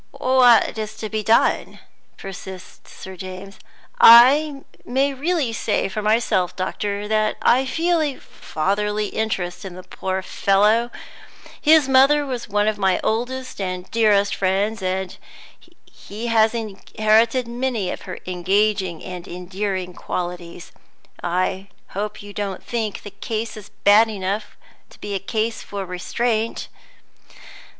"What is to be done?" persists Sir James. "I may really say for myself, doctor, that I feel a fatherly interest in the poor fellow. His mother was one of my oldest and dearest friends, and he has inherited many of her engaging and endearing qualities. I hope you don't think the case is bad enough to be a case for restraint?"